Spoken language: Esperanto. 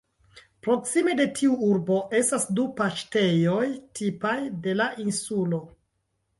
Proksime de tiu urbo estas du paŝtejoj tipaj de la insulo.